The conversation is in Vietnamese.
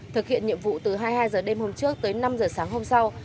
thực hiện nhiệm vụ từ hai mươi hai h đêm hôm trước tới năm h sáng hôm sau